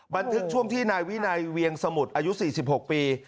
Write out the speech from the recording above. บันทึกช่วงที่นายวินัยเวียงสมุทรอายุ๔๖ปี